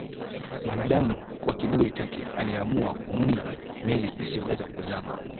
mwanadamu kwa kiburi chake aliamua kuunda meli isiyoweza kuzama